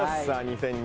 さあ